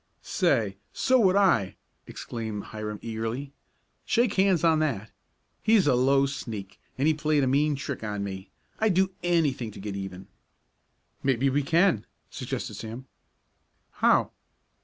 "Say, so would I!" exclaimed Hiram eagerly. "Shake hands on that. He's a low sneak, and he played a mean trick on me. I'd do anything to get even." "Maybe we can," suggested Sam. "How?"